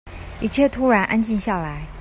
一切突然安靜下來